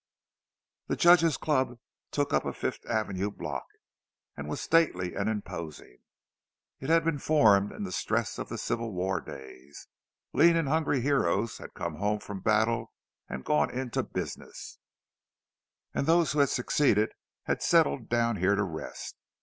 The Judge's club took up a Fifth Avenue block, and was stately and imposing. It had been formed in the stress of the Civil War days; lean and hungry heroes had come home from battle and gone into business, and those who had succeeded had settled down here to rest.